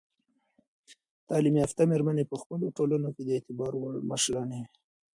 تعلیم یافته میرمنې په خپلو ټولنو کې د اعتبار وړ مشرانې وي.